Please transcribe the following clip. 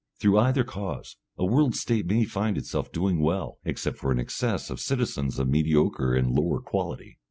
Through either cause, a World State may find itself doing well except for an excess of citizens of mediocre and lower quality.